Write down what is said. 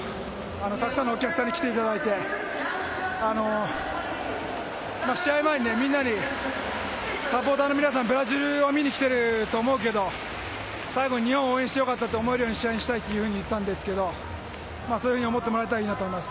たくさんのお客さんに来ていただいて、試合前にみんなに、サポーターの皆さん、ブラジルを見に来ていると思うけど、最後、日本を応援してよかったと思えるような試合にしたいって言ったんですけど、そういうふうに思ってもらえたらいいなと思います。